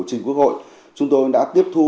trình quốc hội chúng tôi đã tiếp thu